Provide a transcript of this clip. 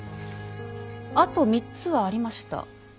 あと３つはありました。